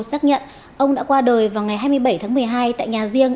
xác nhận ông đã qua đời vào ngày hai mươi bảy tháng một mươi hai tại nhà riêng